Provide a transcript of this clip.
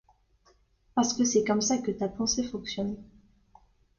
Parce que c’est comme ça que ta pensée fonctionne.